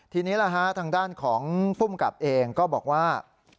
ทีนี้ล่ะฮะทางด้านของผู้มกับเองก็บอกว่า